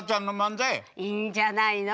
いいんじゃないの？